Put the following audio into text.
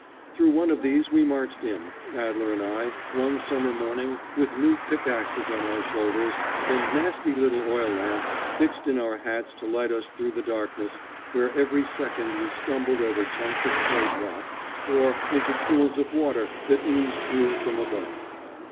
Through one of these we marched in, Adler and I, one summer morning with new pickaxes on our shoulders and nasty little oil lamps fixed in our hats to light us through the darkness where every second we stumbled over chunks of slate rock, or into pools of water that oozed through from above.